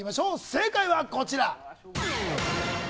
正解はこちら。